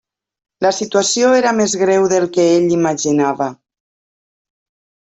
La situació era més greu del que ell imaginava.